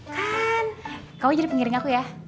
kan kau jadi pengiring aku ya